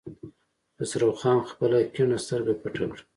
خسرو خان خپله کيڼه سترګه پټه کړه.